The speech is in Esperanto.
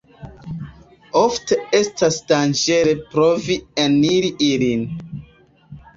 Ofte estas danĝere provi eniri ilin.